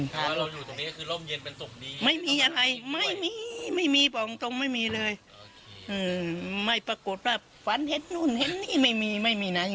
ถ้าเราอยู่ตรงนี้คือล่มเย็นเป็นศุกร์ดีไม่มีอะไรไม่มีไม่มี